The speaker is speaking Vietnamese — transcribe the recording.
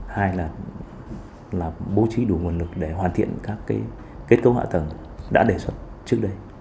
hai là bố trí đủ nguồn lực để hoàn thiện các kết cấu hạ tầng đã đề xuất trước đây